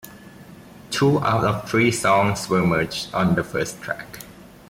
Two out of the three songs were merged on the first track.